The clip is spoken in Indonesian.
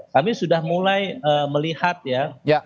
kami sudah mulai melihat ya